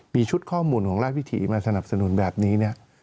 มีชุดข้อมูลของราชวิถีมาสนับสนุนแบบนี้เนี่ย